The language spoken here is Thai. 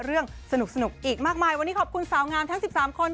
เรื่องสนุกอีกมากมายวันนี้ขอบคุณสาวงามทั้ง๑๓คน